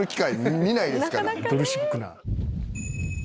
ドルシックナー。